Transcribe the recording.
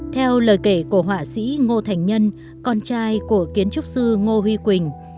theo lời kể của họa sĩ ngô thành nhân con trai của kiến trúc sư ngô huy quỳnh